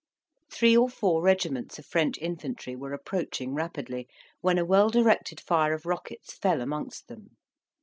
Three or four regiments of French infantry were approaching rapidly, when a well directed fire of rockets fell amongst them.